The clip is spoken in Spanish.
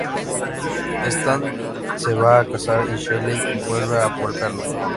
Stan se va a casa y Shelley vuelve a golpearlo.